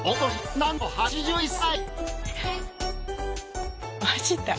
なんと８１歳。